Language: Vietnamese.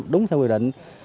đúng theo quy định